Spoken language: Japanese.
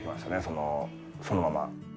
そのまま。